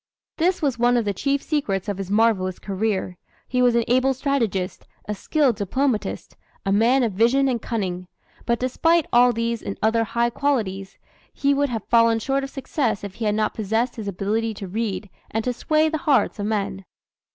This was one of the chief secrets of his marvellous career. He was an able strategist, a skilled diplomatist, a man of vision and cunning. But despite all these and other high qualities, he would have fallen short of success if he had not possessed his ability to read and to sway the hearts of men.